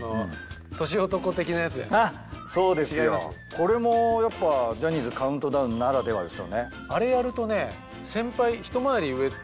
これもやっぱ『ジャニーズカウントダウン』ならではですよね。あれやるとね。